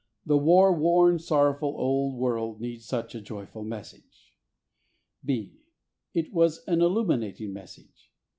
The war worn, sorrowful old world needs such a joyful message. (b) It was an illuminating message.